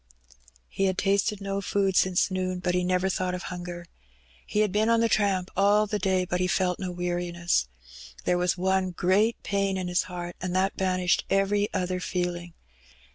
He had tasted no food since noon, but he never thought of hunger. He had been on the tramp all the day, but he felt no weariness. There was one great pain in his heart, and that banished every other feeling.